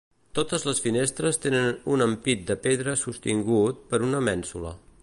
Totes les finestres tenen un ampit de pedra sostingut per una mènsula.